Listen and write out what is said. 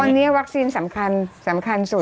ตอนนี้วัคซีนสำคัญสุด